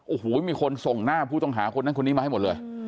โอ้โหมีคนส่งหน้าผู้ต้องหาคนนั้นคนนี้มาให้หมดเลย